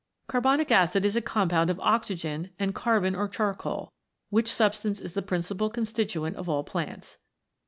Carbonic acid is a compound of oxygen and carbon or charcoal, which substance is the principal constituent of all plants.